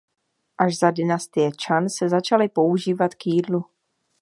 Až za dynastie Chan se začaly používat k jídlu.